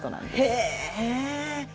へえ！